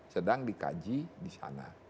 sedang dikaji di sana